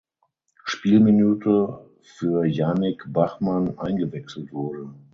Spielminute für Janik Bachmann eingewechselt wurde.